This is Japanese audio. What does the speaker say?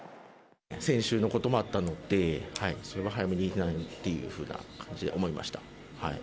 先週のこともあったので、早めに避難っていうふうな感じで思いました。